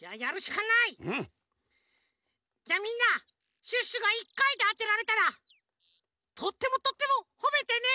じゃみんなシュッシュが１かいであてられたらとってもとってもほめてね！